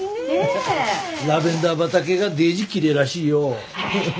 ラベンダー畑がデージきれいらしいよぅ。